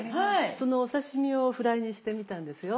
そのお刺身をフライにしてみたんですよ。